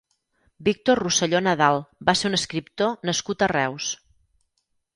Víctor Rosselló Nadal va ser un escriptor nascut a Reus.